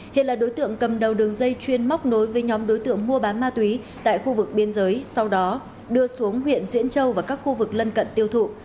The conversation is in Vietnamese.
hiện là đối tượng cầm đầu đường dây chuyên móc nối với nhóm đối tượng mua bán ma túy tại khu vực biên giới sau đó đưa xuống huyện diễn châu và các khu vực lân cận tiêu thụ